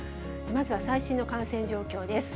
まずは最新の感染状況です。